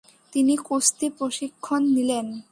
তিনি কুস্তি প্রশিক্ষণ নিলেন।